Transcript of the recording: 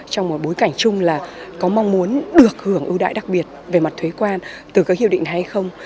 trong một bối cảnh chung là có mong muốn được hưởng ưu đãi đặc biệt về mặt thuế quan từ các hiệp định hay không